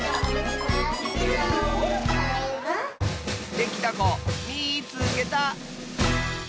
できたこみいつけた！